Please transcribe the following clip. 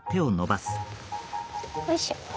おいしょ。